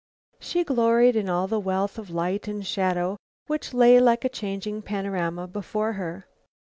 She gloried in all the wealth of light and shadow which lay like a changing panorama before her.